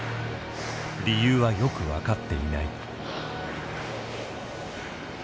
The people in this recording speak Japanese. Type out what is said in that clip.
理由はよく分かっていない。